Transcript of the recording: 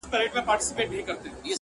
زما پښتون زما ښايسته اولس ته ـ